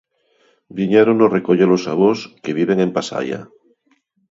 –Viñérono recoller os avós, que viven en Pasaia.